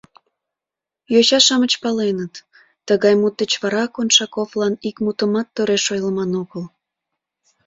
Йоча-шамыч паленыт, тыгай мут деч вара Коншаковлан ик мутымат тореш ойлыман огыл.